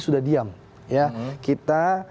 sudah diam kita